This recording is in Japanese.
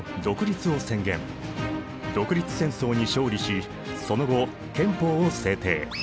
独立戦争に勝利しその後憲法を制定。